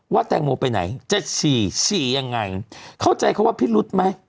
ว่าแตงโมไปไหนเจกซียังไงเข้าใจเค้าว่าพิรุษไหม